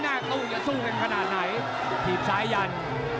หน้าตู้จะสู้กันขนาดไหนถีบซ้ายยัน